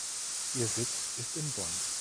Ihr Sitz ist in Bonn.